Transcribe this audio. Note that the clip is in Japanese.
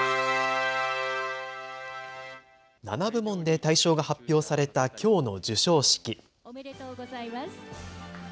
７部門で大賞が発表されたきょうの授賞式。